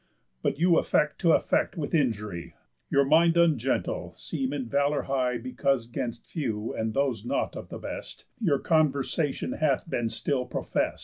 But you affect t' affect with injury, Your mind ungentle, seem in valour high, Because 'gainst few, and those not of the best, Your conversation hath been still profest.